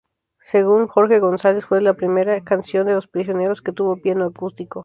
Según Jorge González, fue la primera canción de Los Prisioneros que tuvo piano acústico.